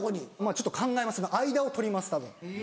ちょっと考えます間を取りますたぶん。